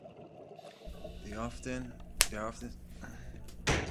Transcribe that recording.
They are often secreted into media and often associated with special extracellular structures.